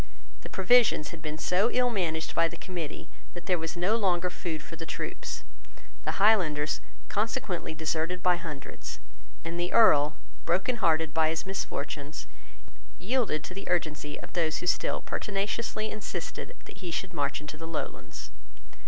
The provisions had been so ill managed by the Committee that there was no longer food for the troops. The Highlanders consequently deserted by hundreds; and the Earl, brokenhearted by his misfortunes, yielded to the urgency of those who still pertinaciously insisted that he should march into the Lowlands.